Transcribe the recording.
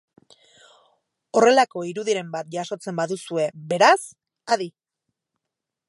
Horrelako irudiren bat jasotzen baduzue, beraz, adi!